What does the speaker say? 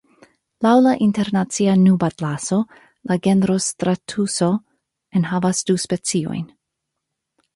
Laŭ la Internacia Nubatlaso, la genro stratuso enhavas du speciojn.